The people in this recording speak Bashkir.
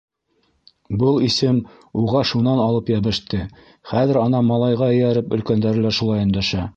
Был исем уға шунан алып йәбеште, хәҙер, ана, малайға эйәреп, өлкәндәре лә шулай өндәшә.